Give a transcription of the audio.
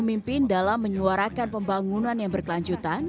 pemimpin dalam menyuarakan pembangunan yang berkelanjutan